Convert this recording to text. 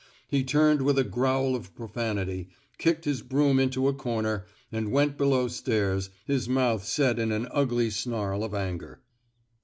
He turned with a growl of pro fanity, kicked his broom into a comer, and went below stairs, his mouth set in an ugly snarl of anger.